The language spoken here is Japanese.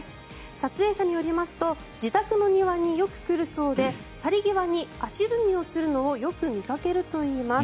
撮影者によりますと自宅の庭によく来るそうで去り際に足踏みをするのをよく見かけるといいます。